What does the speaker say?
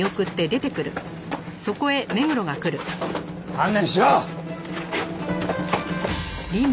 観念しろ！